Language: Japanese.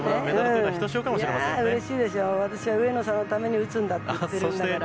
いやぁ、うれしいでしょ、私は上野さんのために打つんだって言ってるんだから。